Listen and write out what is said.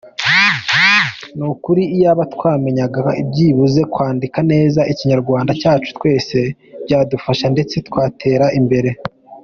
Nukuri iyaba twamenyaga byibuze kwandika neza Ikinyarwanda cyacu twese byadufasha ndetse twatera imbere.